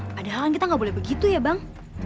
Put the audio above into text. padahal kan kita nggak boleh begitu ya bang